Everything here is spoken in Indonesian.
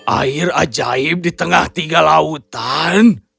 air ajaib di tengah tiga lautan